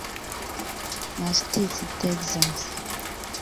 na Steeti Tegzas.